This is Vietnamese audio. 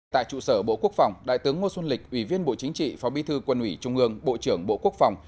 tại trụ sở bộ quốc phòng đại tướng ngô xuân lịch ủy viên bộ chính trị phó bí thư quân ủy trung ương bộ trưởng bộ quốc phòng